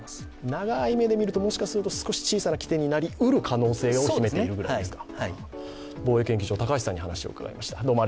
長い目で見るともしかすると少し小さな起点になる可能性を秘めているということですね。